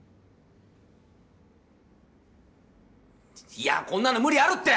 いやこんなの無理あるって！